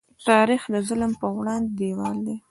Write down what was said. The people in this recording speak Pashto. تاریخ د ظلم په وړاندې دیوال دی.